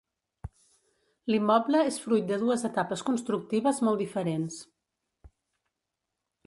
L'immoble és fruit de dues etapes constructives molt diferents.